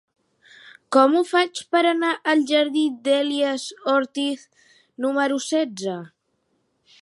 Com ho faig per anar al jardí d'Elies Ortiz número setze?